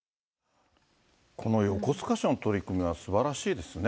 この横須賀市の取り組みはすばらしいですね。